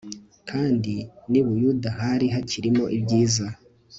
kandi n'i buyuda hari hakirimo ibyiza